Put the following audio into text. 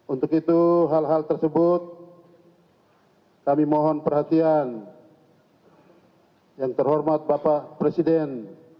untuk itu hal hal tersebut kami mohon perhatian yang terhormat bapak presiden